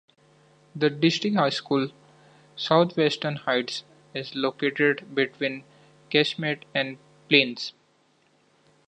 The district high school, Southwestern Heights, is located between Kismet and Plains.